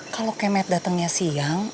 kalau kemet datengnya siang